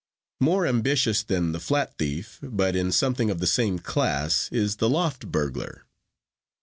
"More ambitious than the flat thief, but in something of the same class, is the loft burglar.